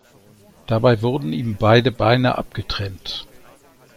Dabei wurden ihm beide Beine abgetrennt.